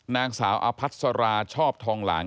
นางสาวอภัสราชอบทองหลาง